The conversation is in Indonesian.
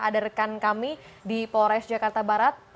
ada rekan kami di polres jakarta barat